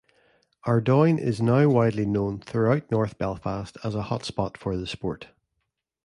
Ardoyne is now widely known throughout north Belfast as a hotspot for the sport.